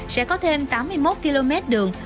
sẽ có thêm tám mươi một km đường